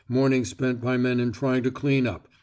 Morning spent by men in trying to clean up.